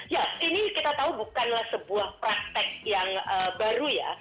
ya ini kita tahu bukanlah sebuah praktek yang baru ya